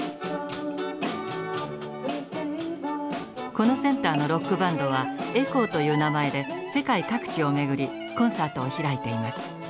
このセンターのロックバンドはエコーという名前で世界各地を巡りコンサートを開いています。